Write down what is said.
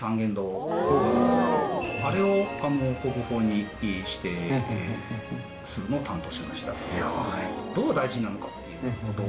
あれを国宝に指定するのを担当しました。